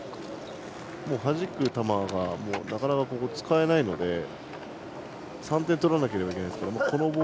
はじく球がなかなか使えないので３点取らなければいけないですから。